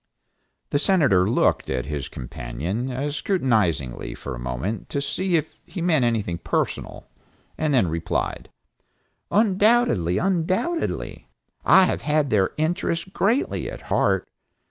The Senator looked at his companion scrutinizingly for a moment to see if he meant anything personal, and then replied, "Undoubtedly, undoubtedly. I have had their interests greatly at heart.